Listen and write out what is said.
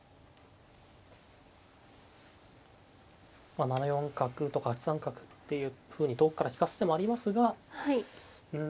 まあ７四角とか８三角っていうふうに遠くから利かす手もありますがうん